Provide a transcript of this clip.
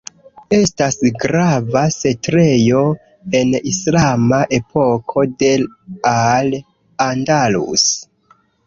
Estis grava setlejo en islama epoko de Al Andalus.